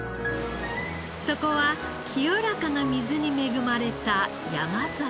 そこは清らかな水に恵まれた山里。